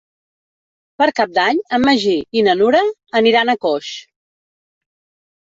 Per Cap d'Any en Magí i na Nura aniran a Coix.